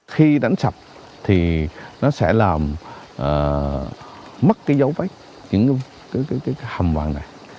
khi đánh sập thì nó sẽ làm mất cái dấu vết những cái hầm vàng này